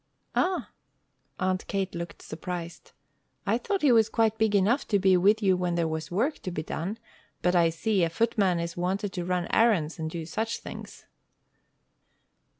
"Ah!" Aunt Kate looked surprised. "I thought he was quite big enough to be with you when there was work to be done, but I see, a footman is wanted to run errands and do such things."